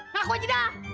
ngaku aja dah